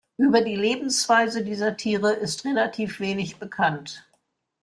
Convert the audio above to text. Über die Lebensweise dieser Tiere ist relativ wenig bekannt.